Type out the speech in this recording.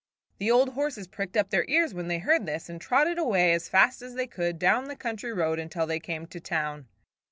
The old horses pricked up their ears when they heard this, and trotted away as fast as they could down the country road until they came to town.